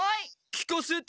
聞かせて。